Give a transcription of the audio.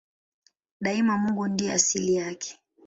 Daima Mungu ndiye asili yake.